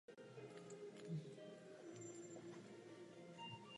Následně se tři roky živil jako pomocný stavební dělník a pak působil jako farář.